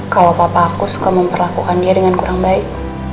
kalau papa aku suka memperlakukan dia dengan kurang baik